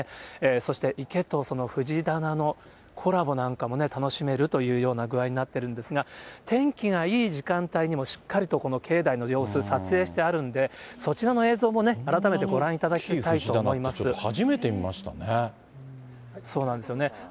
そして池とその藤棚のコラボなんかもね、楽しめるというような具合になってるんですが、天気がいい時間帯にもしっかりと、この境内の様子、撮影してあるんで、そちらの映像も、改めてご覧いただこんな大きな藤棚、初めて見そうなんですよね。